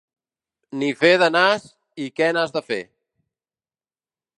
Ni fer de nas i «què n'has de fer».